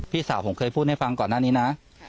พี่สาวผมเคยพูดให้ฟังก่อนหน้านี้นะ